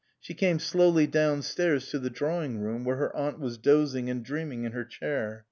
She came slowly downstairs to the drawing room where her aunt was dozing and dreaming in her chair.